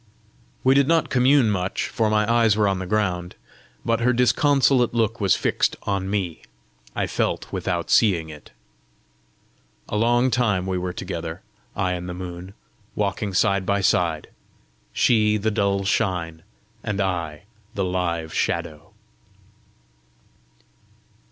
We did not commune much, for my eyes were on the ground; but her disconsolate look was fixed on me: I felt without seeing it. A long time we were together, I and the moon, walking side by side, she the dull shine, and I the live shadow.